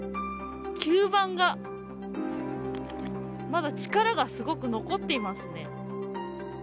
吸盤がまだ力がすごく残っていますね。